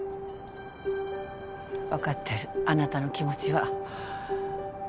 わかってるあなたの気持ちは。